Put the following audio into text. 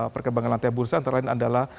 perkembangan lantai bursa antara lain adalah